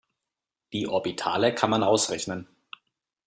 Die Orbitale kann man ausrechnen.